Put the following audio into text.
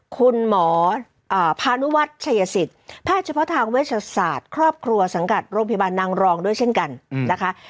คุณหมอพานุวัฒน์ชัยสิทธิ์แพทย์เฉพาะทางเวชศาสตร์ครอบครัวสังกัดโรงพยาบาลนางรองด้วยเช่นกันนะคะ